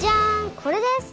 これです！